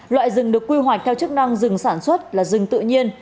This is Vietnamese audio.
loại rừng được quy hoạch theo chức năng rừng sản xuất là rừng tự nhiên